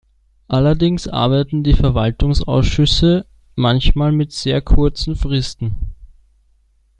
Allerdings arbeiten die Verwaltungsausschüsse manchmal mit sehr kurzen Fristen.